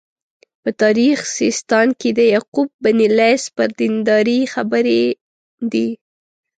په تاریخ سیستان کې د یعقوب بن لیث پر دینداري خبرې دي.